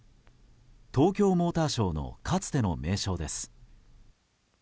「東京モーターショー」のかつての名称です。